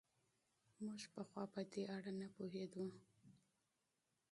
موږ پخوا په دې اړه نه پوهېدو.